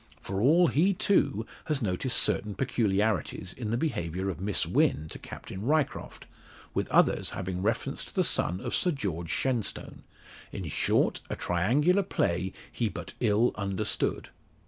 For all, he, too, has noticed certain peculiarities in the behaviour of Miss Wynn to Captain Ryecroft, with others having reference to the son of Sir George Shenstone in short, a triangular play he but ill understood.